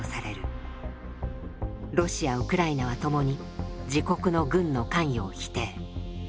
ロシアウクライナはともに自国の軍の関与を否定。